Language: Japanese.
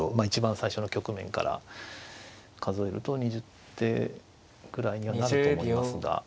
一番最初の局面から数えると２０手くらいにはなると思いますが。